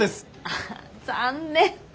あっ残念。